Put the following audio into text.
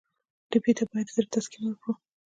ټپي ته باید د زړه تسکین ورکړو.